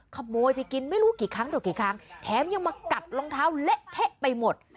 ขโมยไปกินไม่รู้กี่ครั้งต่อกี่ครั้งแถมยังมากัดรองเท้าเละเทะไปหมด